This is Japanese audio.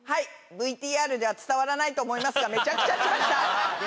ＶＴＲでは伝わらないと思いますがめちゃくちゃしました！